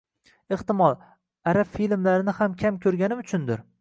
Ehtimol, arab filmlarini ham kam koʻrganim uchundir.